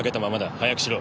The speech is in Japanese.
早くしろ。